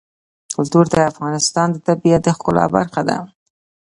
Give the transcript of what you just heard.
کلتور د افغانستان د طبیعت د ښکلا برخه ده.